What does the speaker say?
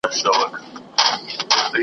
او د لیکلو لپاره څه نه لري .